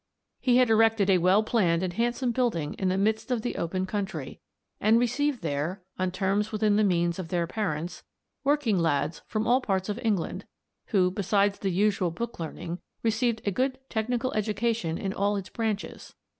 He had erected a well planned and handsome building in the midst of the open country, and received there, on terms within the means of their parents, working lads from all parts of England, who, besides the usual book learning, received a good technical education in all its branches.